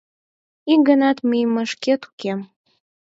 Ик ганат мийымашет уке...